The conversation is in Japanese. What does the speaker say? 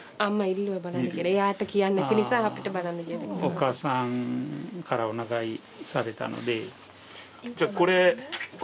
お母さんからお願いされたので。